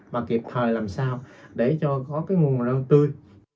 và kịp thời làm sao để cho có cái nguồn rau tươi